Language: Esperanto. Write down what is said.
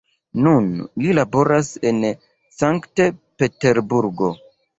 Nun li laboras en Sankt-Peterburgo.